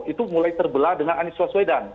itu mulai terbelah dengan anies waswedan